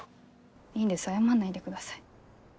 いいんです謝んないでください。